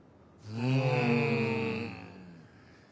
うん。